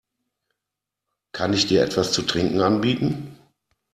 Kann ich dir etwas zu trinken anbieten?